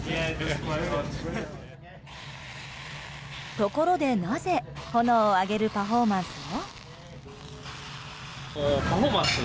ところで、なぜ炎を上げるパフォーマンスを？